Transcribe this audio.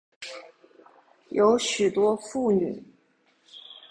有许多妇女